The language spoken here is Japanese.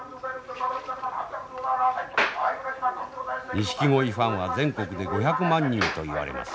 ニシキゴイファンは全国で５００万人といわれます。